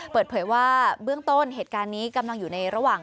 เปิดเผยว่าเบื้องต้นเหตุการณ์นี้กำลังอยู่ในระหว่าง